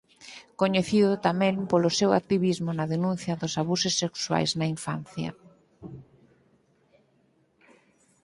Coñecido tamén polo seu activismo na denuncia dos abusos sexuais na infancia.